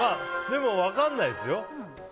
でも、分かんないですよ。